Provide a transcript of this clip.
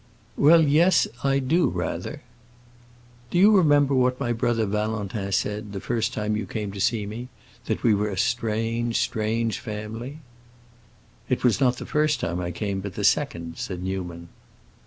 "Well, yes; I do, rather." "Do you remember what my brother Valentin said, the first time you came to see me—that we were a strange, strange family?" "It was not the first time I came, but the second," said Newman.